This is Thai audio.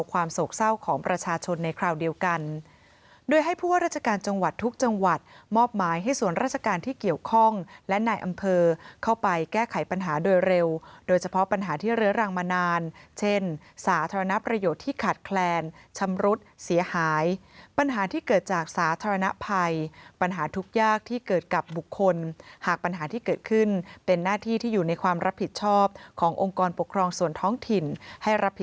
การที่เกี่ยวข้องและในอำเภอเข้าไปแก้ไขปัญหาโดยเร็วโดยเฉพาะปัญหาที่เลือดรังมานานเช่นสาธารณประโยชน์ที่ขาดแคลนชำรุดเสียหายปัญหาที่เกิดจากสาธารณภัยปัญหาทุกอย่างที่เกิดกับบุคคลหากปัญหาที่เกิดขึ้นเป็นหน้าที่ที่อยู่ในความรับผิดชอบขององค์กรปกครองส่วนท้องถิ่นให้รับผ